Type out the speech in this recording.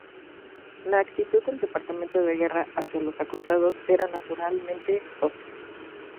La actitud del departamento de Guerra hacia los acusados era naturalmente hostil.